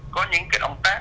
có những cái động tác